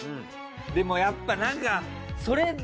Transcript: でもやっぱなんか。